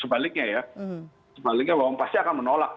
sebaliknya ya sebaliknya bahwa pasti akan menolak